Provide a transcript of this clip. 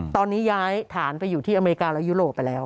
ตอนนี้ย้ายฐานไปอยู่ที่อเมริกาและยุโรปไปแล้ว